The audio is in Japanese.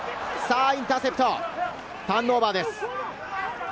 インターセプト、ターンオーバーです。